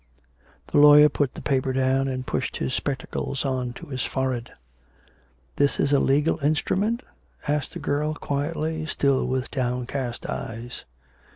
The lawyer put the paper down, and pushed his spec tacles on to his forehead. " That is a legal instrument ?" asked the girl quietly, still with downcast eyes.